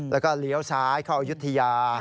แล้วก็เลี้ยวซ้ายเข้าอายุทยา